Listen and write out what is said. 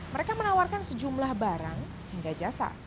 mereka menawarkan sejumlah barang hingga jasa